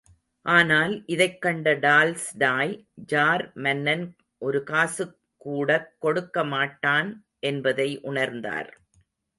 ஆனால், இதைக் கண்ட டால்ஸ்டாய், ஜார் மன்னன் ஒருகாசு கூடக் கொடுக்கமாட்டான் என்பதை உணர்ந்தார்.